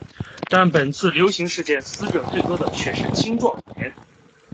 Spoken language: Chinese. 但本次流行事件死者最多的却是青壮年。